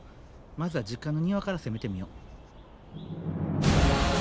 まずは実家の庭から攻めてみよ。